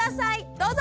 どうぞ！